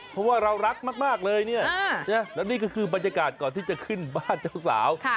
เพราะว่าเรารักมากเลยเนี่ยแล้วนี่ก็คือบรรยากาศก่อนที่จะขึ้นบ้านเจ้าสาว